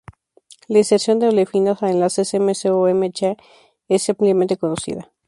La inserción de olefinas a enlaces M-C o M-H es ampliamente conocida.